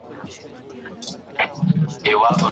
کارګان به په تور مخ وي زموږ له باغ څخه وتلي